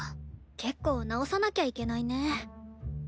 結構直さなきゃいけないね。